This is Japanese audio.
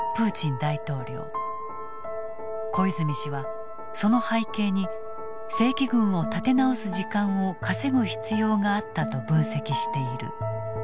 小泉氏はその背景に正規軍を立て直す時間を稼ぐ必要があったと分析している。